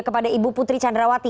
kepada ibu putri candrawati